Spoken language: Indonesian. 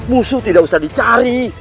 musuh tidak usah dicari